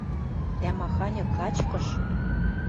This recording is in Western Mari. Дӓ маханьы качкыш!